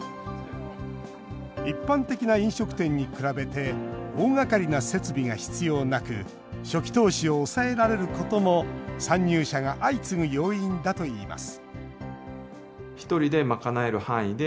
一般的な飲食店に比べて大がかりな設備が必要なく初期投資を抑えられることも参入者が相次ぐ要因だといいます